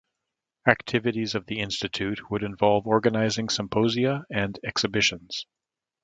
Activities of the institute would involve organising symposia and exhibitions.